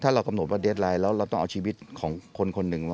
ถ้าเรากำหนดว่าเดสไลน์แล้วเราต้องเอาชีวิตของคนคนหนึ่ง